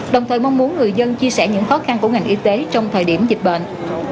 đồng thời mong muốn người dân chia sẻ những khó khăn của ngành y tế trong thời điểm dịch bệnh